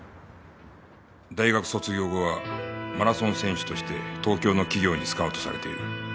大学卒業後はマラソン選手として東京の企業にスカウトされている。